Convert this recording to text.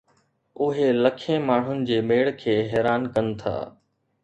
اهي لکين ماڻهن جي ميڙ کي حيران ڪن ٿا